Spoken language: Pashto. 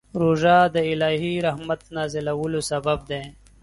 روژه د الهي رحمت نازلولو سبب دی.